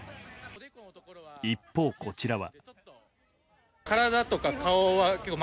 一方、こちらは。